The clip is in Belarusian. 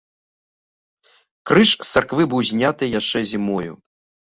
Крыж з царквы быў зняты яшчэ зімою.